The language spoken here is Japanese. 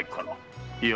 いや。